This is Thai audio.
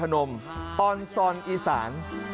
และก็มีการกินยาละลายริ่มเลือดแล้วก็ยาละลายขายมันมาเลยตลอดครับ